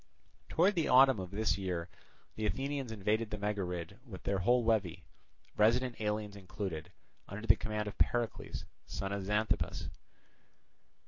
Towards the autumn of this year the Athenians invaded the Megarid with their whole levy, resident aliens included, under the command of Pericles, son of Xanthippus.